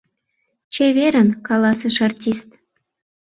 — Чеверын, — каласыш артист.